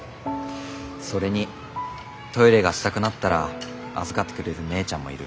それにトイレがしたくなったら預かってくれる姉ちゃんもいる。